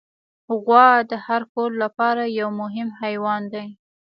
غوا د هر کور لپاره یو مهم حیوان دی.